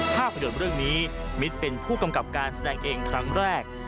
ภาพยนตร์เรื่องนี้มิตรเป็นผู้กำกับการแสดงเองครั้งแรก